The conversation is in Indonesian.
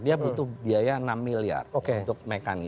dia butuh biaya enam miliar untuk mekanik